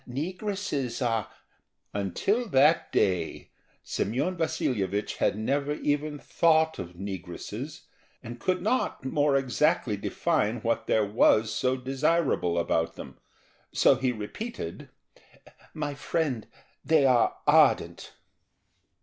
Negresses are——" Until that day Semyon Vasilyevich had never even thought of negresses, and could not more exactly define what there was so desirable about them, so he repeated: "My friend, they are ardent."